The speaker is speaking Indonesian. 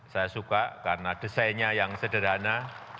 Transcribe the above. saya suka karena desainnya yang sederhana